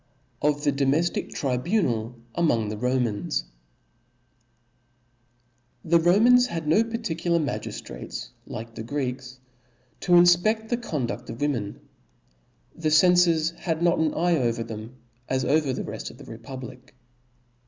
Oft/ie domejiic Tribunal among th^ Romans^ T^ H E Romans had no particular magiftrates, ■*■ like the Greeks, to infpcft the conduft of women. The cenfors had not an eye over theni but as over the reft of the republic.